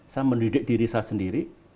saya mendidik diri saya sendiri